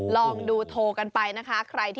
ลองดูโทรกันไปนะคะ